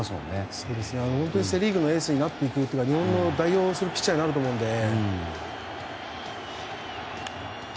本当にセ・リーグのエースになってくる日本を代表するピッチャーになると思います。